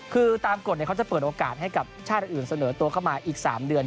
คือตามกฎเขาจะเปิดโอกาสให้กับชาติอื่นเสนอตัวเข้ามาอีก๓เดือน